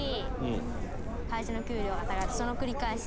その繰り返し。